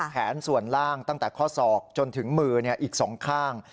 ส่วนล่างตั้งแต่ข้อศอกจนถึงมืออีก๒ข้าง